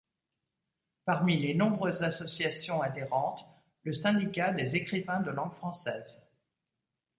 Parmi les nombreuses associations adhérentes, le Syndicat des écrivains de langue française.